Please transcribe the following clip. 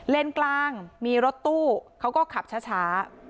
กลางมีรถตู้เขาก็ขับช้า